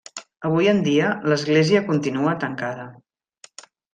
Avui en dia, l'església continua tancada.